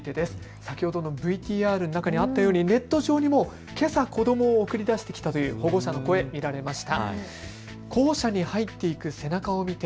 先ほどのＶＴＲにあったようにネット上にもけさ子どもを送り出してきたという保護者の声、見られました。